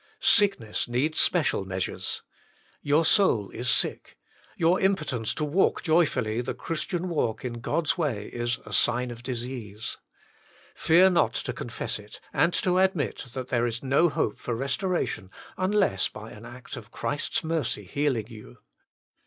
Sickness needs special measures. Your soul is sick ; your impotence to walk joyfully the Christian walk in God s way is a sign of disease ; fear not to confess it, and to admit that there is no hope for restora tion unless by an act of Christ s mercy healing you.